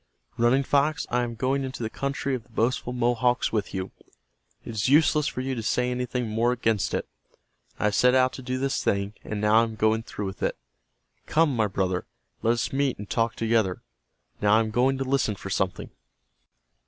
Running Fox, I am going into the country of the boastful Mohawks with you. It is useless for you to say anything more against it. I have set out to do this thing, and now I am going through with it. Come, my brother, let us meet, and talk together. Now I am going to listen for something."